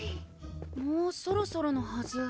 もうそろそろのはず